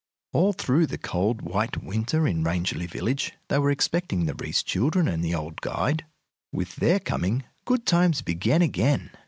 All through the cold, white winter in Rangeley Village they were expecting the Reece children and the old guide. With their coming, good times began again.